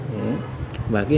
đúng không ạ